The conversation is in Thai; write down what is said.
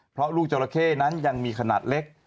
เพราะลูกจราเข้นั้นยังมีขนาดเล็ก